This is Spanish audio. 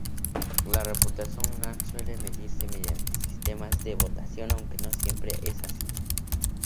La reputación online suele medirse mediante sistemas de votación, Aunque no siempre es así.